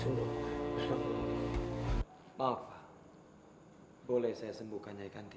maaf pak boleh saya sembuhkan nyai kandi